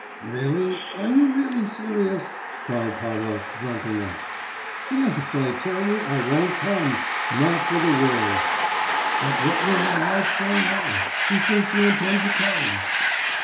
"Really—are you really serious?" cried Pavel, jumping up. "Yes; I tell you, I won't come—not for the world!" "But what will my wife say now? She thinks you intend to come!"